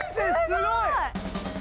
すごい！